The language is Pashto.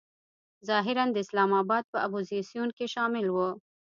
ظاهراً د اسلام آباد په اپوزیسیون کې شامل و.